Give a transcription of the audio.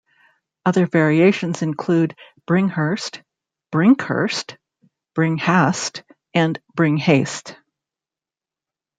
Other variations include "Bringherst", "Brinkhurst", "Bringhast", and "Bringhaste".